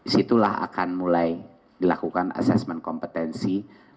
situlah akan mulai dilakukan assessment kompetensi